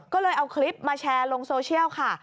ก็เลยเอาคลิปมาแชร์ลงโซเชียลค่ะ